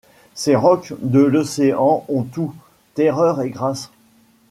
Ces rocs de l'océan ont tout, terreur et grâce